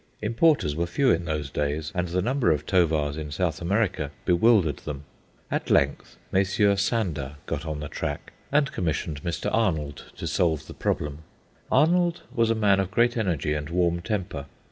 Importers were few in those days, and the number of Tovars in South America bewildered them. At length Messrs. Sander got on the track, and commissioned Mr. Arnold to solve the problem. Arnold was a man of great energy and warm temper.